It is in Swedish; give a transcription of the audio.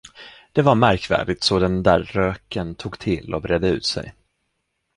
Det var märkvärdigt så den där röken tog till och bredde ut sig.